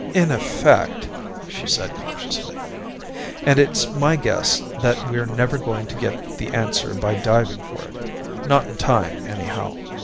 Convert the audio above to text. "In effect," she said cautiously. "And it's my guess that we're never going to get the answer by diving for it not in time, anyhow.